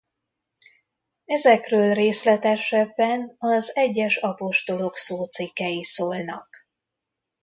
Ezekről részletesebben az egyes apostolok szócikkei szólnak.